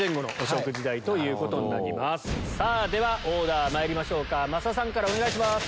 ではオーダーまいりましょうか増田さんからお願いします。